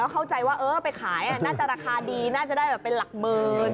เข้าใจว่าเออไปขายน่าจะราคาดีน่าจะได้แบบเป็นหลักหมื่น